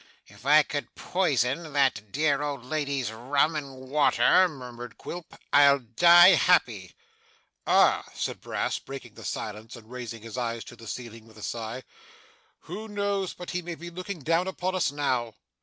'If I could poison that dear old lady's rum and water,' murmured Quilp, 'I'd die happy.' 'Ah!' said Mr Brass, breaking the silence, and raising his eyes to the ceiling with a sigh, 'Who knows but he may be looking down upon us now!